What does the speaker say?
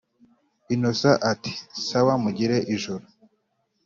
innocent ati”sawa mugire ijoro